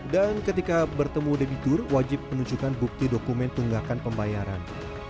dan ketika bertemu debitur wajib menunjukkan bukti dokumen tunggakan pembayaran